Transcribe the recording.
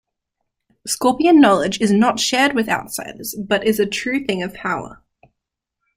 Scorpion knowledge is not shared with outsiders, but is a true thing of power.